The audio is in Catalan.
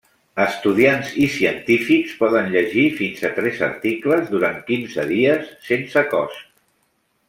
Estudiants i científics poden llegir fins a tres articles durant quinze dies, sense cost.